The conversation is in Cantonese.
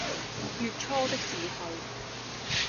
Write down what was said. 月初的時候